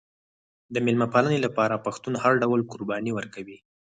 د میلمه پالنې لپاره پښتون هر ډول قرباني ورکوي.